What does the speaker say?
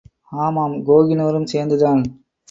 ஆமாம் கோஹினூரும் சேர்ந்துதான்!.